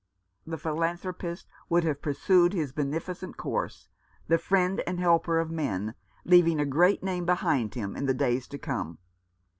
The philan thropist would have pursued his beneficent course, the friend and helper of men, leaving a great name behind him in the days to come.